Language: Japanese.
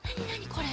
これ。